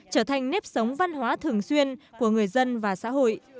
trở thành nếp sống văn hóa thường xuyên của người dân và xã hội